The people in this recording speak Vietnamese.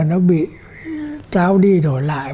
nó bị trao đi đổi lại